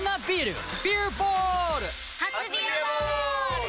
初「ビアボール」！